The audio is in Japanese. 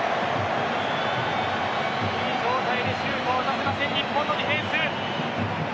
いい状態でシュートを打たせません日本のディフェンス。